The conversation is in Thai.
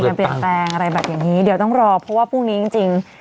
เปลี่ยนแปลงอะไรแบบนี้เดี๋ยวต้องรอเพราะว่าพรุ่งนี้จริง